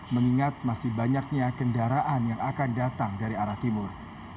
mengingat masih banyaknya kendaraan yang akan datang dari arah timur